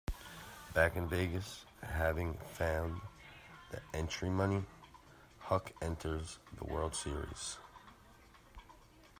Back in Vegas, having found the entry money, Huck enters the World Series.